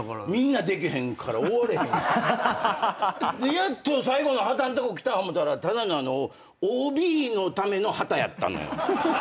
やっと最後の旗んとこ来た思うたらただのＯＢのための旗やったのよ。